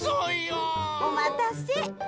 おまたせ。